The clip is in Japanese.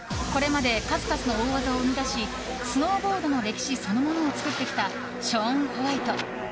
これまで数々の大技を生み出しスノーボードの歴史そのものを作ってきたショーン・ホワイト。